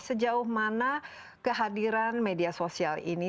sejauh mana kehadiran media sosial ini